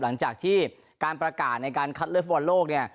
หลังจากที่การประกาศในการคัดเลือกฟุตบอลโลกเนี่ย